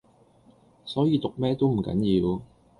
所以讀咩都唔緊要⠀